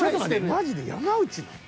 マジで山内なん？